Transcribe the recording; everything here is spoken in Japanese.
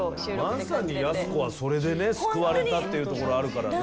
まさに安子はそれでね救われたっていうところあるからね。